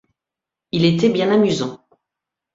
Il était bien amusant.